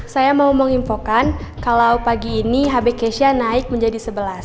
saya mau menginfokan kalau pagi ini hb cashya naik menjadi sebelas